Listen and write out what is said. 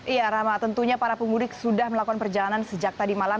iya rama tentunya para pemudik sudah melakukan perjalanan sejak tadi malam